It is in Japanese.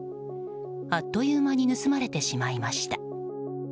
あっという間に盗まれてしまいました。